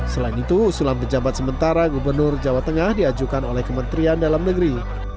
selain itu usulan pejabat sementara gubernur jawa tengah diajukan oleh kementerian dalam negeri